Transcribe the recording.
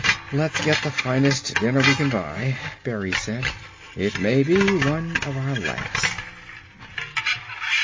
"Let's get the finest dinner we can buy," Berry said. "It may be one of our last."